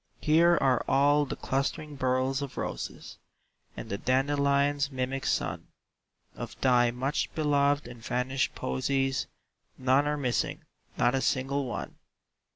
"Here are all the clustering burls of roses, And the dandelion's mimic sun; Of thy much beloved and vanished posies None are missing, not a single one!"